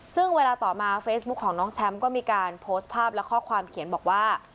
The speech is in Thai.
ซึ่งเวลาต่อมาเฟซบุ๊คของน้องแชมป์ก็มีการโพสต์ภาพและข้อความเขียนบอกว่า